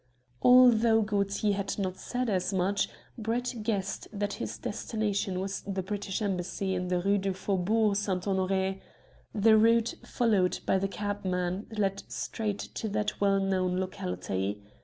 Although Gaultier had not said as much, Brett guessed that his destination was the British Embassy in the Rue du Faubourg St. Honoré. The route followed by the cabman led straight to that well known locality.